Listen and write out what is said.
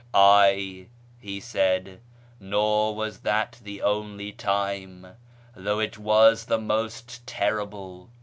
" Ay," he said, " nor was that the only time, though it was the most terrible.